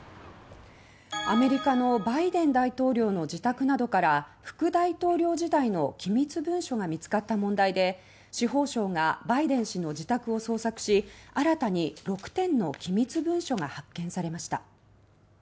アメリカのバイデン大統領の自宅などから副大統領時代の機密文書が見つかった問題で司法省がバイデン氏の自宅を捜索し新たに６点の機密文書が発見されました。